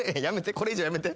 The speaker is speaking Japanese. これ以上やめて。